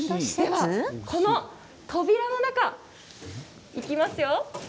この扉の中いきますよ。